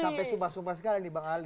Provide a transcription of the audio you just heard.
sampai sumpah sumpah sekarang nih bang ali